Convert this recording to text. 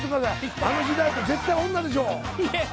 あの時代やったら絶対女でしょう。